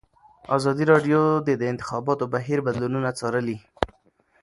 ازادي راډیو د د انتخاباتو بهیر بدلونونه څارلي.